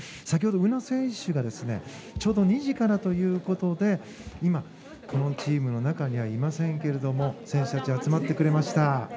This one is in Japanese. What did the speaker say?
先ほど宇野選手がちょうど２時からということで今、このチームの中にはいませんけれども選手たち集まってくれました。